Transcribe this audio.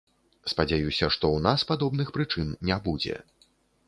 Спадзяюся, што ў нас падобных прычын не будзе.